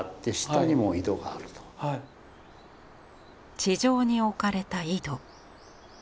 地上に置かれた井戸。